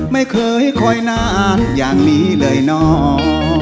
ไม่เคยคอยนานอย่างนี้เลยเนาะ